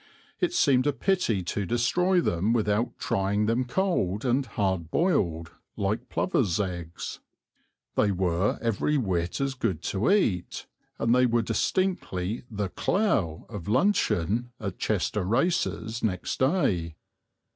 It seemed a pity to destroy them without trying them cold, and hardboiled, like plovers' eggs. They were every whit as good to eat, and they were distinctly the clou of luncheon at Chester races next day.